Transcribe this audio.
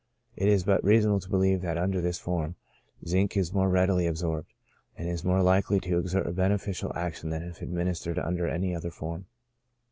It is but reasonable to believe that under this form, zinc is more readily absorbed, and is more likely to exert a beneficial action than if administered under any other form.